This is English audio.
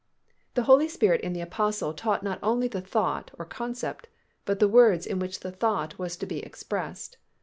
_The Holy Spirit in the Apostle taught not only the thought (or __"__concept__"__) but the words in which the thought was to he expressed.